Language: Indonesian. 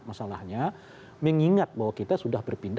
masalahnya mengingat bahwa kita sudah berpindah